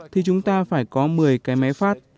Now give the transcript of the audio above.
thì chúng ta phải có một mươi cái máy phát